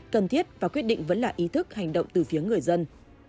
cần thiết và quyết định vẫn là ý thức hành động từ phía người dân